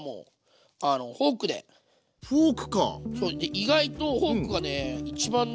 意外とフォークがね一番ね